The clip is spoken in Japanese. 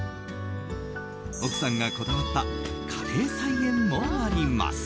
奥さんがこだわった家庭菜園もあります。